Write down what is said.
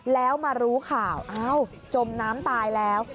แล้วมารู้ข่าวอ้าวจมน้ำตายแล้ว